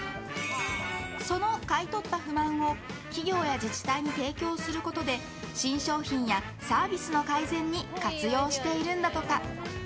その買い取った不満を企業や自治体に提供することで新商品やサービスの改善に活用しているんだとか。